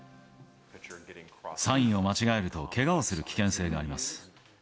サインを間違えると、けがをする危険性があります。